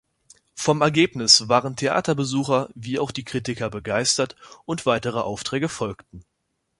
Vom Ergebnis waren Theaterbesucher wie auch die Kritiker begeistert und weitere Aufträge folgten.